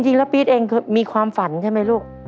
จริงแล้วปี๊ดเองมีความฝันใช่ไหมลูก